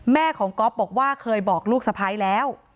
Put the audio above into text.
แม่ของก๊อฟบอกว่าเคยบอกลูกสะพ้ายแล้ว